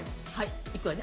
行くわね。